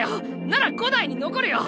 なら「五代」に残るよ。